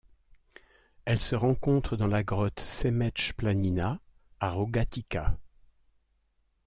Elle se rencontre dans la grotte Semeč Planina à Rogatica.